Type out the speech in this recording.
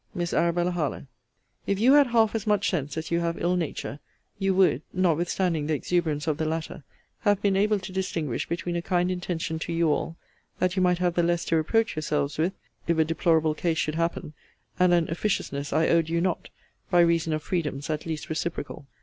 MISS ARABELLA HARLOWE, If you had half as much sense as you have ill nature, you would (notwithstanding the exuberance of the latter) have been able to distinguish between a kind intention to you all (that you might have the less to reproach yourselves with, if a deplorable case should happen) and an officiousness I owed you not, by reason of freedoms at least reciprocal.